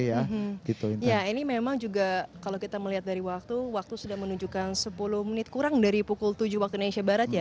ya ini memang juga kalau kita melihat dari waktu waktu sudah menunjukkan sepuluh menit kurang dari pukul tujuh waktu indonesia barat ya